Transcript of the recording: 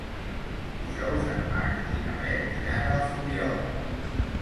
Dijous en Max i na Bet iran a la Fuliola.